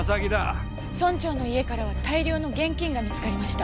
村長の家からは大量の現金が見つかりました。